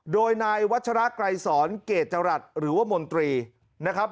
โดยนายวัชราไกรสอนเกจรัฐหรือว่ามนตรีนะครับ